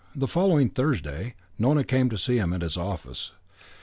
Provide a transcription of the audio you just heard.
On the following Thursday Nona came to see him at his office.